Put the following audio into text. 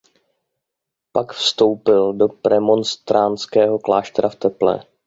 Pak vstoupil do premonstrátského kláštera v Teplé.